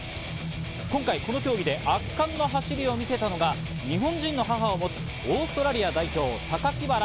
今回この競技で圧巻の走りを見せたのが日本人の母を持つオーストラリア代表、サカキバラ